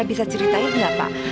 bisa ceritain gak pak